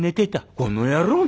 「この野郎。